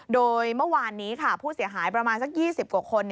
โดยเมื่อวานนี้ค่ะผู้เสียหายประมาณสัก๒๐กว่าคน